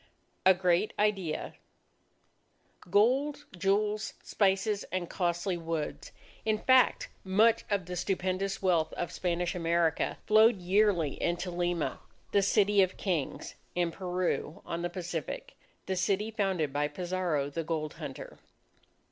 A GREAT IDEA Gold, jewels, spices, and costly woods, in fact much of the stupendous wealth of Spanish America, flowed yearly into Lima, "the City of the Kings" in Peru, on the Pacific, the city founded by Pizarro the gold hunter.